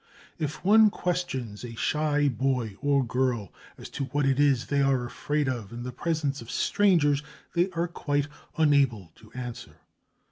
If one questions a shy boy or girl as to what it is they are afraid of in the presence of strangers, they are quite unable to answer.